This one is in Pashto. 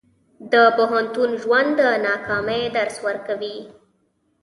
د پوهنتون ژوند د ناکامۍ درس ورکوي.